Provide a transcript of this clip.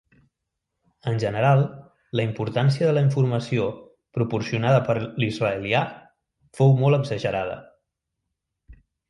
En general, la importància de la informació proporcionada per l'israelià fou molt exagerada.